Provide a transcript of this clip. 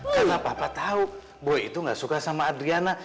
karena papa tau boy itu gak suka sama adriana